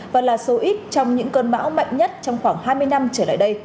và là số ít trong những cơn bão mạnh nhất trong khoảng hai mươi năm trở lại đây